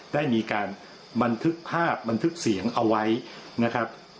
ได้มีการบันทึกภาพบันทึกเสียงเอาไว้นะครับ